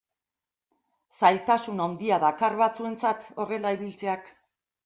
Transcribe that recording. Zailtasun handia dakar batzuentzat horrela ibiltzeak.